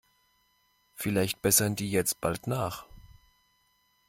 Vielleicht bessern die jetzt bald nach.